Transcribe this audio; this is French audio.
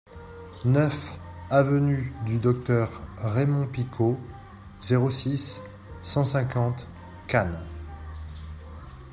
neuf avenue du Docteur Raymond Picaud, zéro six, cent cinquante, Cannes